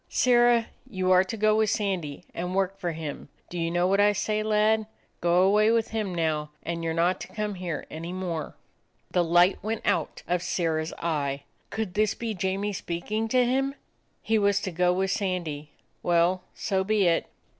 "Sirrah, you are to go with Sandy, and work for him. Do you know what I say, lad? Go away with him now, and you ' re not to come here any more " The light went out of Sirrah's eye. Could this be Jamie speaking to him? He was to go with Sandy. Well, so be it.